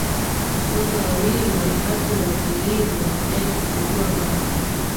wote wawili walibaki wametulivu wakidai kufungua baa